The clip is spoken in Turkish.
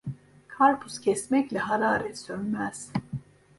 Karpuz kesmekle hararet sönmez.